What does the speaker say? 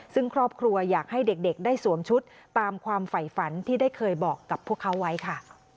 ซึ่งครอบครัวอยากให้เด็กได้สวมชุดตามความไฝฝันที่ได้เคยบอกกับพวกเขาไว้ค่ะ